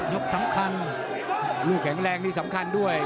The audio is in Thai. สำคัญลูกแข็งแรงนี่สำคัญด้วย